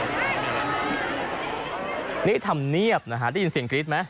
นี่ทำเนียบนะฮะได้ยินเสียงกรี๊ดไหม